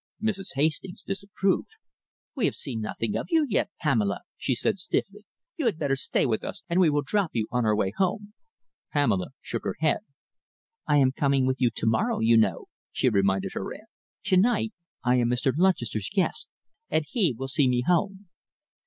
Mrs. Hastings disapproved. "We have seen nothing of you yet, Pamela," she said stiffly. "You had better stay with us and we will drop you on our way home." Pamela shook her head. "I am coming with you to morrow, you know," she reminded her aunt. "To night I am Mr. Lutchester's guest and he will see me home."